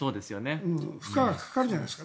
負荷がかかるじゃないですか。